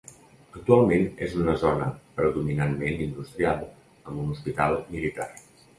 Actualment és una zona predominantment industrial amb un hospital militar.